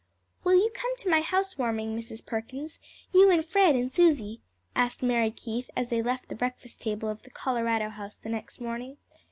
"Will you come to my house warming, Mrs. Perkins, you and Fred and Susie?" asked Mary Keith as they left the breakfast table of the Colorado House the next morning.